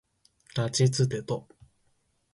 たちつてと